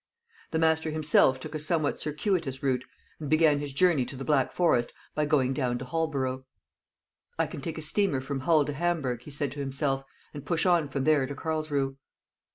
The master himself took a somewhat circuitous route, and began his journey to the Black Forest by going down to Holborough. "I can take a steamer from Hull to Hamburg," he said to himself, "and push on from there to Carlsruhe."